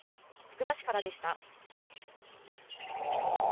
つくば市からでした。